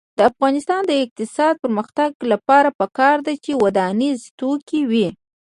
د افغانستان د اقتصادي پرمختګ لپاره پکار ده چې ودانیز توکي وي.